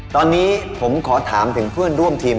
ตอนนี้ผมขอถามถึงเพื่อนร่วมทีม